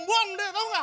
buang deh tau gak